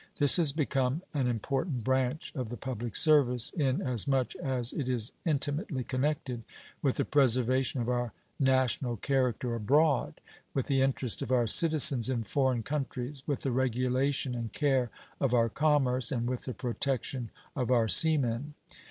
This has become an important branch of the public service, in as much as it is intimately connected with the preservation of our national character abroad, with the interest of our citizens in foreign countries, with the regulation and care of our commerce, and with the protection of our sea men.